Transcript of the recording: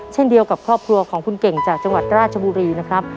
เช่นเดียวกับครอบครัวของคุณเก่งจากจังหวัดราชบุรีนะครับ